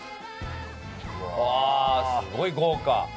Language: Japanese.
うわすごい豪華。